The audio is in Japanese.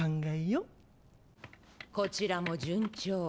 こちらも順調。